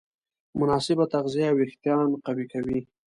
مناسب تغذیه وېښتيان قوي کوي.